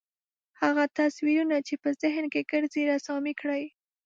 هغه تصویرونه چې په ذهن کې ګرځي رسامي کړئ.